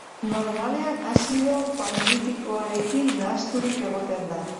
Normalean azido palmitikoarekin nahasturik egoten da.